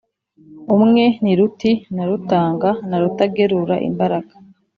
umwe ni ruti na rutanga na rutagerura imbaraga,